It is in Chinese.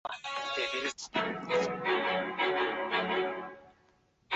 次年参与策动两广事变。